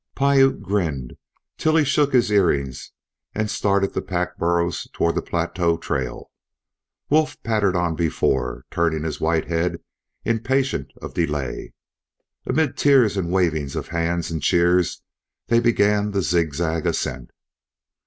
Piute grinned till he shook his earrings and started the pack burros toward the plateau trail. Wolf pattered on before, turning his white head, impatient of delay. Amid tears and waving of hands and cheers they began the zigzag ascent.